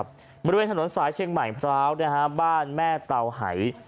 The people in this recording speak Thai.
บริเวณถนนสายเชียงใหม่พร้าวบ้านแม่เตาหาย